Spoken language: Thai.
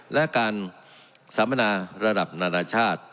และการสัมมนาระดับนานาชาติ